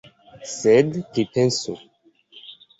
Sed pripensu.